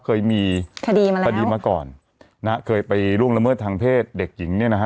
เคยมีคดีมาแล้วคดีมาก่อนนะฮะเคยไปล่วงละเมิดทางเพศเด็กหญิงเนี่ยนะฮะ